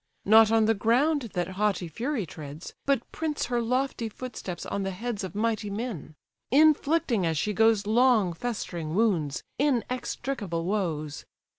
Not on the ground that haughty fury treads, But prints her lofty footsteps on the heads Of mighty men; inflicting as she goes Long festering wounds, inextricable woes!